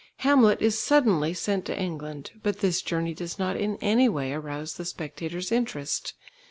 Hamlet is suddenly sent to England, but this journey does not in any way arouse the spectator's interest.